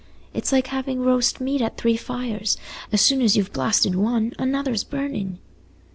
It's like having roast meat at three fires; as soon as you've basted one, another's burnin'."